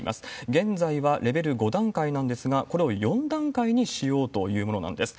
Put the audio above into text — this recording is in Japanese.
現在はレベル５段階なんですが、これを４段階にしようというものなんです。